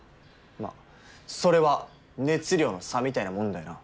まあそれは熱量の差みたいなもんだよな